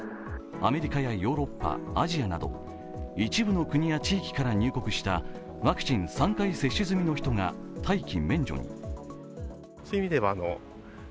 アメリカやヨーロッパ、アジアなど一部の国や地域から入国したワクチン３回接種済みの人が待機免除に。